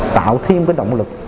tạo thêm cái động lực